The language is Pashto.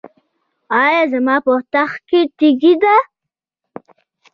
ایا زما په تخه کې تیږه ده؟